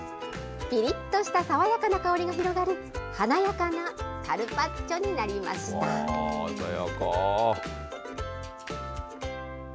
ぴりっとした爽やかな香りが広がる、華やかなカルパッチョになり鮮やか。